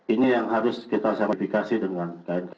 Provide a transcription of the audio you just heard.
ini yang harus kita ratifikasi dengan